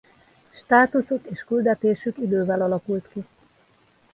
Státuszuk és küldetésük idővel alakult ki.